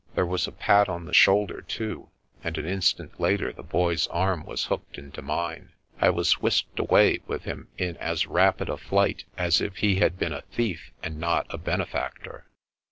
There was a pat on the shoulder, too, and an instant later the Boy's arm was hooked into mine; I was whisked away with him in as rapid a flight as if he had been a thief, and not a benefactor.